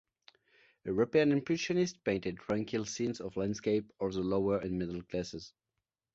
European impressionists painted tranquil scenes of landscapes or the lower and middle classes.